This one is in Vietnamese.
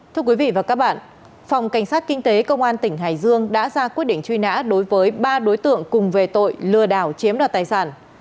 thưa quý vị và các bạn phòng cảnh sát kinh tế công an tỉnh hải dương đã ra quyết định truy nã đối với ba đối tượng cùng về tội lừa đảo chiếm đoạt tài sản